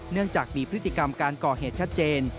เนื่องจากมีพฤติกรรมการก่อเหตุชัดเจน